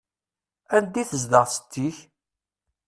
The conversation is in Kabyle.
Anda i tezdeɣ setti-k?